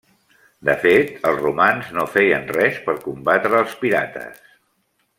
De fet els romans no feien res per combatre als pirates.